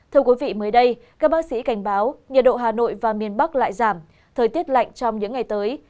thưa quý vị mới đây các bác sĩ cảnh báo nhiệt độ hà nội và miền bắc lại giảm thời tiết lạnh trong những ngày tới